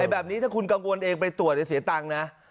แบบนี้ถ้าคุณกังวลเองไปตรวจเสียตังค์นะ